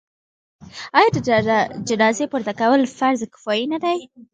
آیا د جنازې پورته کول فرض کفایي نه دی؟